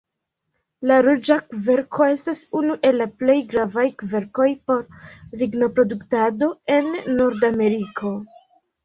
La ruĝa kverko estas unu el la plej gravaj kverkoj por lignoproduktado en Nordameriko.